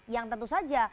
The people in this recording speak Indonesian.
yang tentu saja